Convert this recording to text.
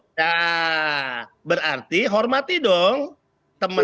nah berarti hormati dong teman teman